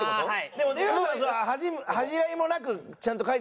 でも出川さん恥じらいもなくちゃんと書いてます？